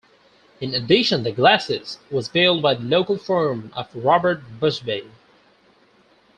In addition the glacis was built by the local firm of Robert Bushby.